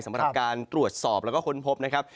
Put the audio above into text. สำหรับการตรวจสอบแล้วก็ค้นพบนะครับ